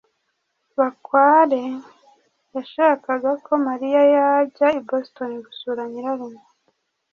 bakware yashakaga ko mariya yajya i boston gusura nyirarume